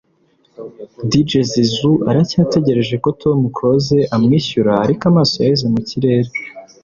Dj Zizou aracyategereje ko Tom Close amwishyura ariko amaso yaheze mu kirere